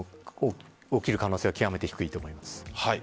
起きる可能性は極めて低いと思います。